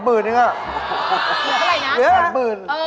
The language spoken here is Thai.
เหลือเท่าไรนะเนี่ย๘บื่น